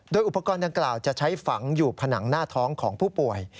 โดยอุปกรณ์ดังกล่าวจะใช้ฝังอยู่ผนังหน้าท้องของผู้ป่วย